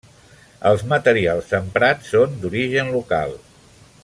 Els materials emprats són d'origen local.